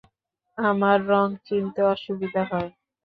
আমার রঙ চিনতে অসুবিধা হয়।